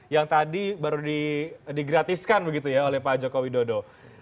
yang tadi baru digratiskan begitu ya oleh pak joko widodo